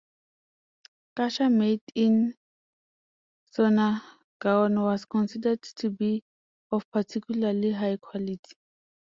Khasa made in Sonargaon was considered to be of particularly high quality.